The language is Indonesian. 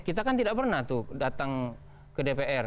kita kan tidak pernah tuh datang ke dpr